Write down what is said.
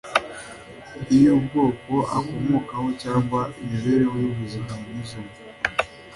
, iy’ubwoko akomokamo, cyangwa imibereho y’ubuzima yanyuzemo